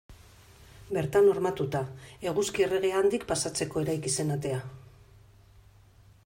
Bertan hormatuta, Eguzki Erregea handik pasatzeko eraiki zen atea.